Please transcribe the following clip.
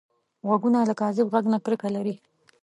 غوږونه له کاذب غږ نه کرکه لري